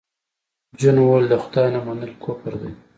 جون وویل د خدای نه منل کفر دی